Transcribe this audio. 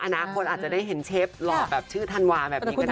อนาคตอาจจะได้เห็นเชฟหล่อแบบชื่อธันวาแบบนี้ก็ได้